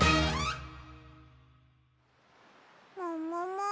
ももも？